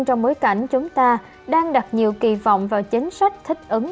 trong bối cảnh chúng ta đang đặt nhiều kỳ vọng vào chính sách thích ứng